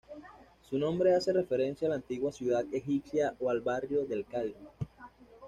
Su nombre hace referencia a la antigua ciudad egipcia o al barrio del Cairo.